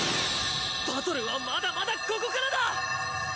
バトルはまだまだここからだ！